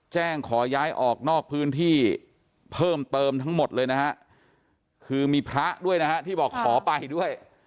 ขอย้ายออกนอกพื้นที่เพิ่มเติมทั้งหมดเลยนะฮะคือมีพระด้วยนะฮะที่บอกขอไปด้วย